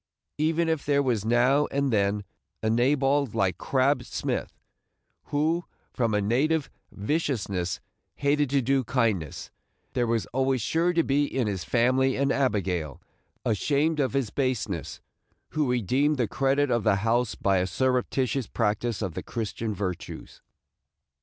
Even if there was now and then a Nabal like Crab Smith, who, from a native viciousness hated to do kindness, there was always sure to be in his family an Abigail, ashamed of his baseness, who redeemed the credit of the house by a surreptitious practice of the Christian virtues.